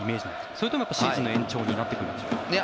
それともシーズンの延長になってくるんでしょうか。